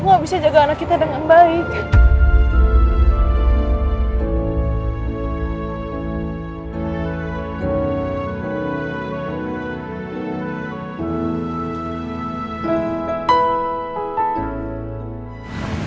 aku nggak bisa jaga anak kita dengan baik mas